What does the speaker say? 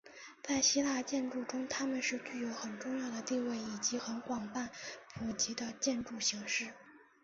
在希腊建筑中他们是具有很重要的地位以及很广泛普及的建筑形式。